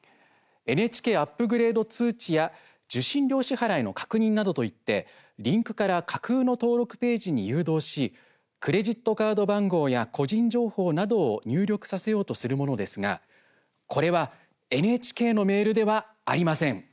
「ＮＨＫアップグレード通知」や「受信料支払いの確認」などといってリンクから架空の登録ページに誘導しクレジットカード番号や個人情報などを入力させようとするものですがこれはＮＨＫのメールではありません。